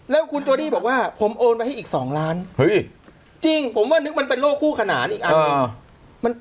แล้วคุณโทดี้บอกว่าผมโอนไปให้อีก๒ล้านจริงผมว่านึกมันเป็นโรคคู่ขนานอีกอันหนึ่ง